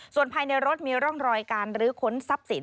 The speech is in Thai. ส่วนภายในรถมีร่องรอยการรื้อค้นทรัพย์สิน